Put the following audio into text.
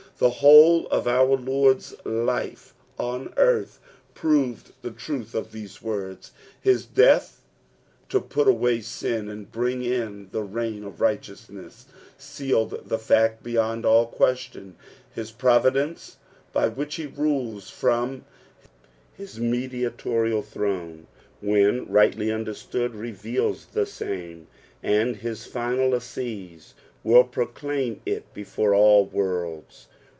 The whole of our Lord's liie on earth proved the truth of these words ; bia death to put awnj gin and bring in the reign of rtshteonanesii, sealed the fact beyond all queetion ; his providence b; which he ruTes from his mediatoiia) throne, when rightly understood, reveals the swrne ; and his final assize will procUini it before all worlds.